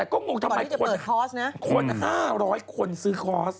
คน๕๐๐คนซื้อคอร์ส